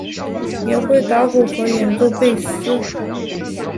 也会打鼓和演奏贝斯。